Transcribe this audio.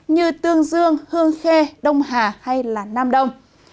như tương dương hương khê đông hà hay nam đông